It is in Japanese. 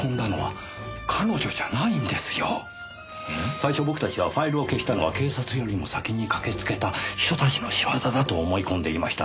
最初僕たちはファイルを消したのは警察よりも先に駆けつけた秘書たちの仕業だと思い込んでいました。